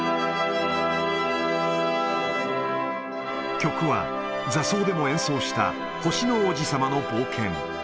曲は座奏でも演奏した星の王子さまの冒険。